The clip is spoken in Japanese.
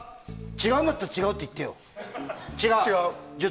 違うんだったら違うって言ってよ。